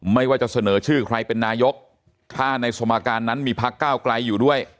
ไม่ว่าจะเสนอชื่อใครเป็นนายกถ้าในสมการนั้นมีพักก้าวไกลอยู่ด้วย